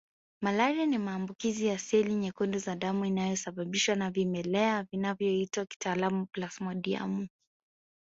Malaria ni maambukizi ya seli nyekundu za damu inayosababishwa na vimelea vinavyoitwa kitaalamu Plasmodiumu